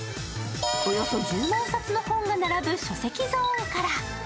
およそ１０万冊の本が並ぶ書籍ゾーンから。